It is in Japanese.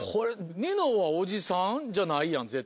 ニノはおじさん？じゃないやん絶対。